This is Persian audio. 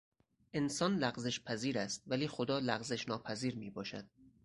انسان لغزش پذیر است ولی خدا لغزشناپذیر میباشد.